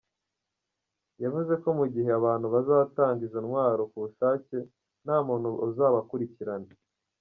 Yavuze ko mugihe abantu bazatanga izo ntwaro kubushake nta muntu uzabakurikirana.